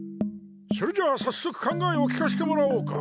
それじゃあさっそく考えを聞かしてもらおうか。